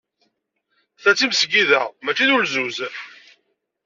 Ta d tamesgida, maci d ulzuz.